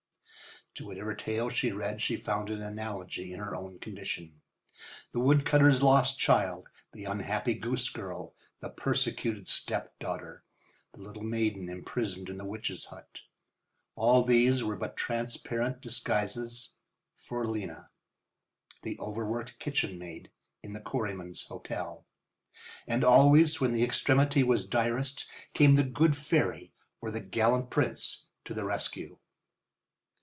To whatever tale she read she found an analogy in her own condition. The woodcutter's lost child, the unhappy goose girl, the persecuted stepdaughter, the little maiden imprisoned in the witch's hut—all these were but transparent disguises for Lena, the overworked kitchenmaid in the Quarrymen's Hotel. And always when the extremity was direst came the good fairy or the gallant prince to the rescue.